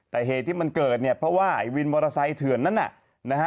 แต่เหตุที่มันเกิดเนี่ยเพราะว่าไอ้วินมอเตอร์ไซค์เถื่อนนั้นน่ะนะฮะ